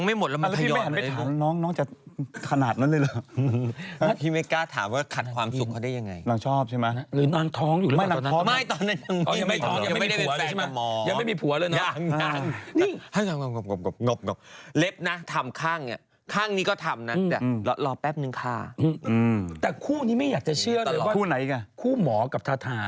มาอีกแล้วมาอีกแล้วมาอีกแล้วจริง